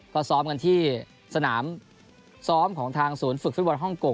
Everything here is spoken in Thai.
ก็ซ้อมกันที่สนามซ้อมของทางศูนย์ฝึกฟุตบอลฮ่องกง